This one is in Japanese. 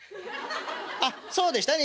「あっそうでしたね